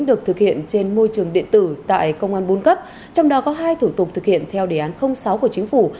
được thực hiện trên môi trường điện tử tại công an bốn cấp trong đó có hai thủ tục thực hiện theo đề án sáu của chính phủ